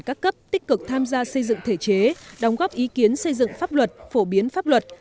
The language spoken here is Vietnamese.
các cấp tích cực tham gia xây dựng thể chế đóng góp ý kiến xây dựng pháp luật phổ biến pháp luật